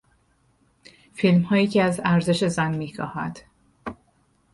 فیلمهایی که از ارزش زن میکاهد.